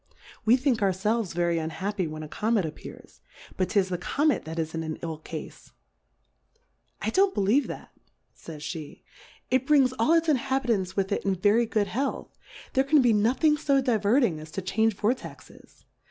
We think our felves very unhappy when a Comet appears, but 'tis the Comet that is in an ill Cafe. I don't believe that, fays Jhe^ it brings all its Inhabi tants with it in very good Health ; there can be nothing fo diverting as to change Vortexes.